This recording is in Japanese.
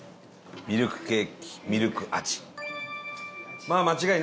ミルクケーキミルク味。